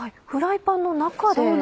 フライパンの中で？